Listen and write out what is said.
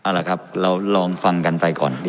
อ๋อหรอครับเราลองฟังกันไปก่อนดีกว่า